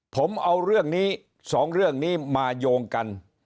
ผมเอาเรื่องนี้สองเรื่องนี้มาโยงกัน